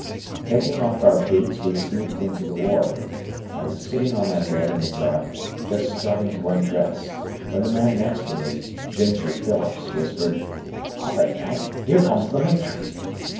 Taking off our boots we sneaked into the ward. I was sitting on my bed in the dark, just starting to undress, when the man next to me, "Ginger" Phillips, whispered. "'Op it, Yank, 'ere comes the matron."